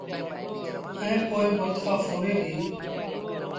ائيٚݩ پو ٻچآ ڦوڙي ديٚ۔